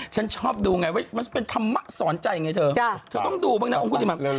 ฉันชอบดูไงว่ามันเป็นธรรมะสอนใจไงเธอเธอต้องดูบ้างนะองคุติมา